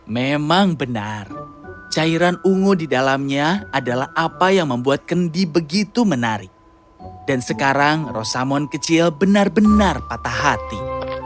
memang benar cairan ungu di dalamnya adalah apa yang membuat kendi begitu menarik dan sekarang rosamon kecil benar benar patah hati